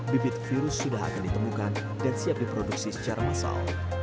bibit virus sudah akan ditemukan dan siap diproduksi secara massal